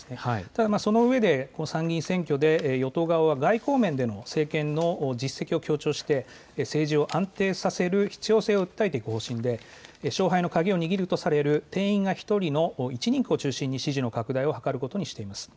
ただ、その上で、その参議院選挙で与党側は外交面での政権の実績を強調して政治を安定させる必要性を訴えていく方針で、勝敗の鍵を握るとされる定員が１人の一人区の支持の拡大を図ることにしています。